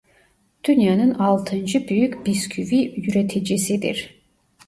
Dünyanın altıncı büyük bisküvi üreticisidir.